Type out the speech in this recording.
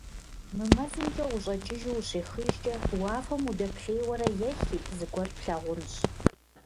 Мы мэзымкӀэ ущӀэкӀыжу ущехыжкӀэ, уафэм удэплъейуэрэ ехи, зыгуэр плъагъунщ.